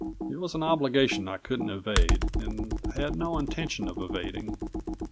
It was an obligation I couldn't evade and had no intention of evading.